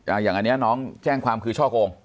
อย่างอันนี้น้องแจ้งความคือช่อโกง